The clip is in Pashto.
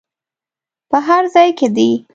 په هر ځای کې دې.